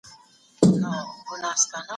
ټولې نړېوالې لوبې د افغانانو ویاړ دی.